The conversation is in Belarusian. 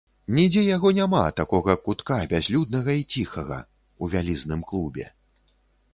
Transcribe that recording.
Нідзе яго няма, такога кутка, бязлюднага і ціхага, у вялізным клубе.